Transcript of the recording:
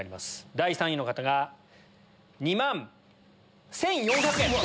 第３位の方が２万１４００円。